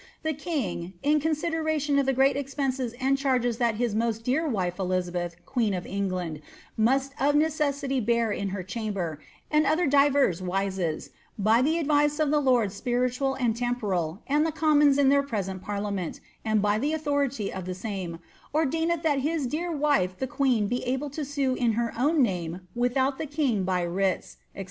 The king, ^ in consideration of the great expenses and charges that his most dear wife Elizabeth, queen of England, must of necessity bear in her chamber, and other divers wisesj by the advice of the loras spi ritual and temporal, and the commons in this present parliament, and by the authority of the same, ordaineth that his dear wife the queen be abh to sue in her own name, without the king, by writs, &c.